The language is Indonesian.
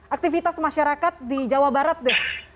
aktivitas masyarakat di jawa barat deh